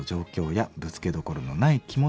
やぶつけどころのない気持ち